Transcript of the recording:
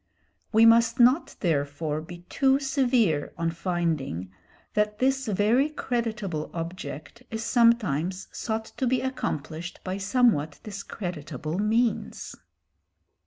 We must not therefore be too severe on finding that this very creditable object is sometimes sought to be accomplished by somewhat discreditable means.